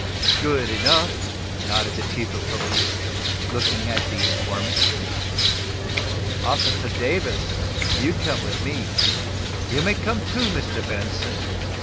"Good enough," nodded the chief of police, looking at the informant. "Officer Davis, you come with me. You may come, too, Mr. Benson.